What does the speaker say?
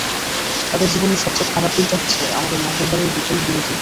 তাদের জীবনের সবচেয়ে খারাপ দিনটা হচ্ছে আমাদের মঙ্গলবারের বিকেল বিরতি।